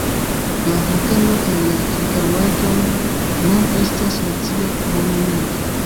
La vulkano kaj la ĉirkaŭaĵoj nun estas nacia monumento.